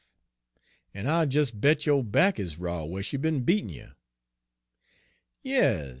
En I'll des bet yo' back is raw whar she's be'n beatin' you.'